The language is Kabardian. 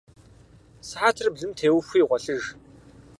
Сыхьэтыр блым теухуи гъуэлъыж.